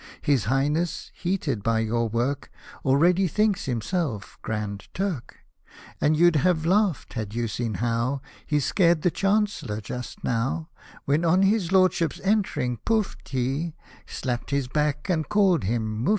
His Highness, heated by your work, Already thinks himself Grand Turk ! And you'd have laughed, had you seen how He scared the Ch — nc — 11 — r just now, When (on his Lordship's entering puffed) he Slapped his back and called him Mufti